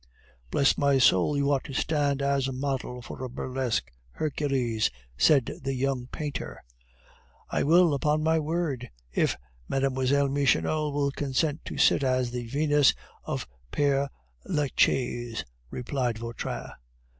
"Bless my soul, you ought to stand as model for a burlesque Hercules," said the young painter. "I will, upon my word! if Mlle. Michonneau will consent to sit as the Venus of Pere Lachaise," replied Vautrin.